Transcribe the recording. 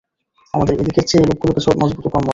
আমাদের এদিকের চেয়ে লোকগুলো কিছু মজবুত ও কর্মঠ।